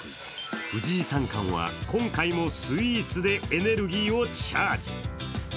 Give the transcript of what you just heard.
藤井三冠は今回もスイーツでエネルギーをチャージ。